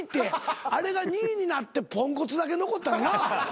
あれが２位になってポンコツだけ残ったらな。